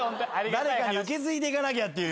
誰かに受け継いでいかなきゃっていう。